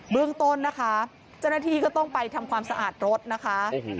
เรื่องต้นนะคะเจ้าหน้าที่ก็ต้องไปทำความสะอาดรถนะคะ